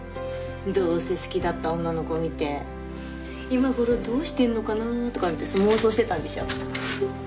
どうせ好きだった女の子見て今ごろどうしてんのかな？とかって妄想してたんでしょ？